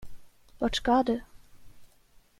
Vart ska du?